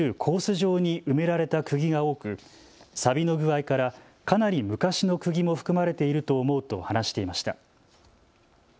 上に埋められたくぎが多くさびの具合からかなり昔のくぎも含まれていると思うと話していました。